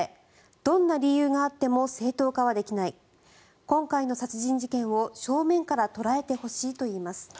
どんな理由があっても正当化はできない今回の殺人事件を正面から捉えてほしいといいます。